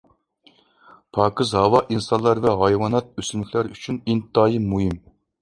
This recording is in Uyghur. پاكىز ھاۋا ئىنسانلار ۋە ھايۋانات، ئۆسۈملۈكلەر ئۈچۈن ئىنتايىن مۇھىم.